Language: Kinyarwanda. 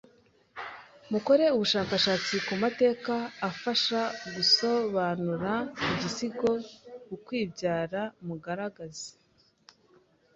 Mukore uushakashatsi ku mateka afasha gusoanura igisigo “Ukwibyara” mugaragaze